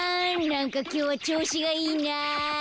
なんかきょうはちょうしがいいな。